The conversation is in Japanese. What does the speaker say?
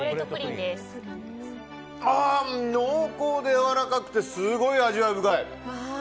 濃厚でやわらかくてすごい味わい深い。